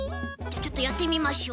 じゃあちょっとやってみましょう。